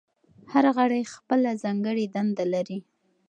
هر غړی خپله ځانګړې دنده لري.